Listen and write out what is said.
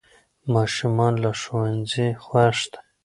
ماشومان له ښوونځي خوښ دي.